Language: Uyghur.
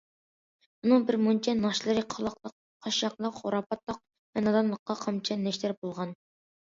ئۇنىڭ بىر مۇنچە ناخشىلىرى قالاقلىق، قاششاقلىق، خۇراپاتلىق ۋە نادانلىققا قامچا، نەشتەر بولغان.